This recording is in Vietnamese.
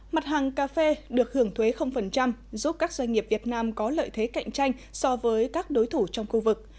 mặt hàng cà phê được hưởng thuế giúp các doanh nghiệp việt nam có lợi thế cạnh tranh so với các đối thủ trong khu vực